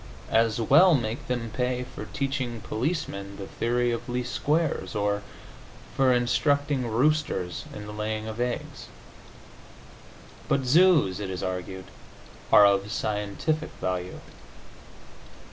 As well make them pay for teaching policemen the theory of least squares, or for instructing roosters in the laying of eggs. But zoos, it is argued, are of scientific value.